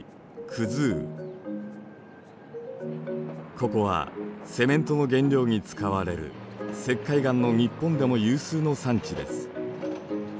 ここはセメントの原料に使われる石灰岩の日本でも有数の産地です。